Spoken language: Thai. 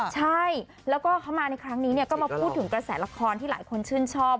ใช่แล้วก็เขามาในครั้งนี้ก็มาพูดถึงกระแสละครที่หลายคนชื่นชอบ